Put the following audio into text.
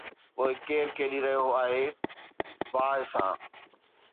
پوءِ ڪير کيڏي رهيو آهي باهه سان؟